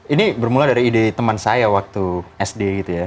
ini bermula dari ide teman saya waktu sd gitu ya